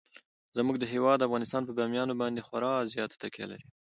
زموږ هیواد افغانستان په بامیان باندې خورا زیاته تکیه لري.